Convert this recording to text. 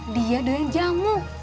dia doyan jamu